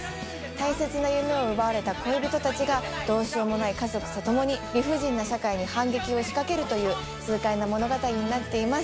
大切な夢を奪われた恋人たちが、どうしようもない家族と共に理不尽な社会に反撃を仕掛けるという、痛快な物語になっています。